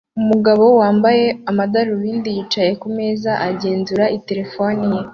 Umugabo wambaye amadarubindi yicaye kumeza agenzura i-terefone ye